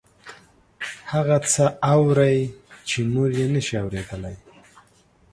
هغه څه اوري چې نور یې نشي اوریدلی